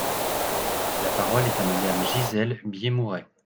La parole est à Madame Gisèle Biémouret.